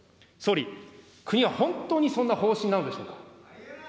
総理、国は本当にそんな方針なのでしょうか。